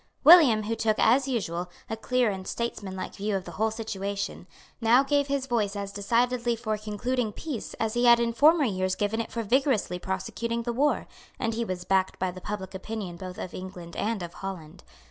William, who took, as usual, a clear and statesmanlike view of the whole situation, now gave his voice as decidedly for concluding peace as he had in former years given it for vigorously prosecuting the war; and he was backed by the public opinion both of England and of Holland.